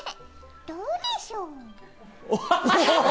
どうでしょう？